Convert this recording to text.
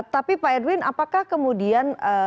tapi pak edwin apakah kemudian